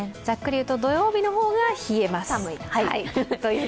ざっくり言うと、土曜日の方が冷えます。